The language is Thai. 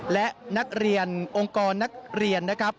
และนักเรียนองค์กรนักเรียนนะครับ